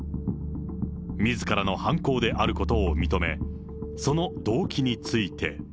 みずからの犯行であることを認め、その動機について。